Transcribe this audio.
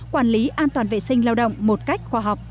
quản lý an toàn vệ sinh lao động một cách khoa học